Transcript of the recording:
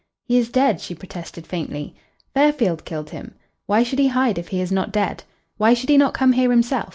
"He is dead," she protested faintly. "Fairfield killed him. Why should he hide if he is not dead? Why should he not come here himself?